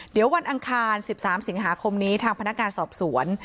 เดี๋ยววันอังคาร๑๓สิงหาคมนี้ทางพนักงานสอบสวน